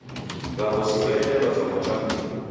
W'aghosi w'aredelwa chongo cha mburi.